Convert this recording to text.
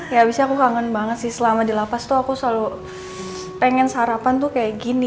ya abisnya aku kangen banget sih selama di lapas tuh aku selalu pengen sarapan tuh kayak gini